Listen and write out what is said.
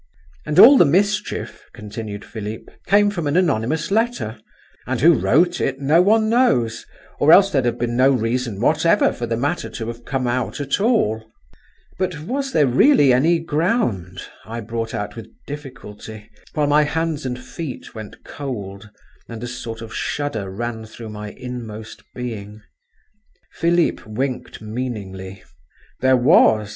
"And all the mischief," continued Philip, "came from an anonymous letter; and who wrote it, no one knows, or else there'd have been no reason whatever for the matter to have come out at all." "But was there really any ground," I brought out with difficulty, while my hands and feet went cold, and a sort of shudder ran through my inmost being. Philip winked meaningly. "There was.